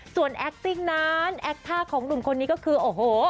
ส่วนแอคติ้งนั้นแอคท่าของหนุ่มคนนี้ก็คือโอ้โห